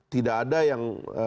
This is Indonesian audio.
tidak ada yang